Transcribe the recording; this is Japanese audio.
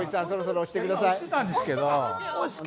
今、押してたんですけど。